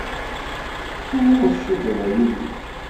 Uɣur tcuddeḍ ay ul-iw.